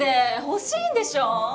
欲しいんでしょ？